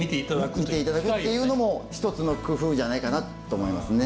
見ていただくっていうのも一つの工夫じゃないかなと思いますね。